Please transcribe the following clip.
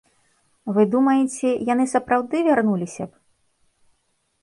Вы думаеце, яны сапраўды вярнуліся б?